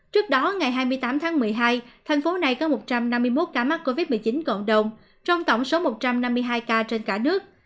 trước đó ngày hai mươi tám tháng một mươi hai thành phố này có một trăm năm mươi một ca mắc covid một mươi chín cộng đồng trong tổng số một trăm năm mươi hai ca trên cả nước